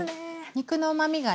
肉のうまみがね